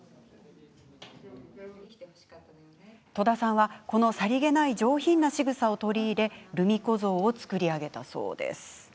戸田さんは、このさりげない上品なしぐさを取り入れルミ子像を作り上げたそうです。